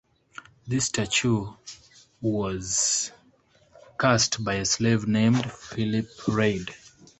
This statue was cast by a slave named Philip Reid.